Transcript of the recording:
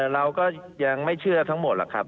เราก็ยังไม่เชื่อทั้งหมดหรอกครับ